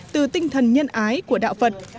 từ tinh thần nhân ái của đạo phật